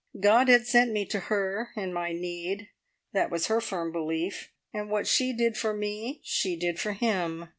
God had sent me to her in my need that was her firm belief and what she did for me she did for Him.